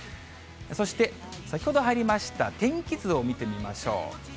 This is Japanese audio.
そして先ほど入りました天気図を見てみましょう。